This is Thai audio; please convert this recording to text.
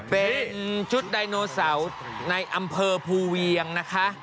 เป็นชุดไดโนเสาร์ในอำเภอภูเวียงนะคะ